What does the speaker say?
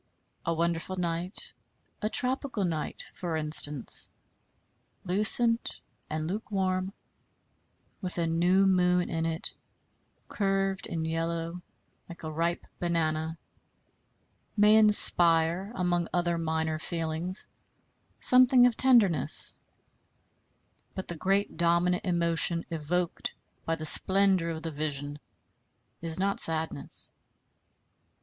A wonderful night, a tropical night, for instance, lucent and lukewarm, with a new moon in it, curved and yellow like a ripe banana, may inspire, among other minor feelings something of tenderness; but the great dominant emotion evoked by the splendor of the vision is not sadness.